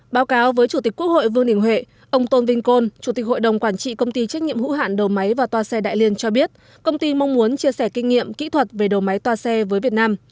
báo cáo với chủ tịch quốc hội vương đình huệ ông tôn vinh côn chủ tịch hội đồng quản trị công ty trách nhiệm hữu hạn đầu máy và toà xe đại liên cho biết công ty mong muốn chia sẻ kinh nghiệm kỹ thuật về đầu máy toa xe với việt nam